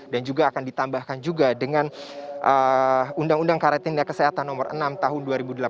dan juga akan ditambahkan juga dengan undang undang karantina kesehatan nomor enam tahun dua ribu delapan belas